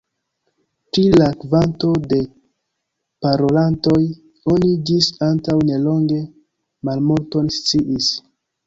Pri la kvanto de parolantoj oni ĝis antaŭ nelonge malmulton sciis.